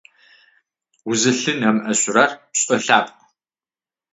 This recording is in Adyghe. Узлъынэмыӏэсышъурэр пшӏолъапӏ.